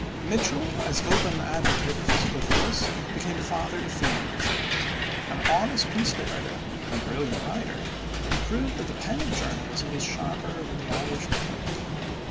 Mitchel, as open advocate of physical force, became father to Fenianism. An honest conspirator and brilliant writer, he proved that the pen of journalism was sharper than the Irish pike.